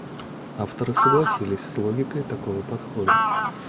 Авторы согласились с логикой такого подхода.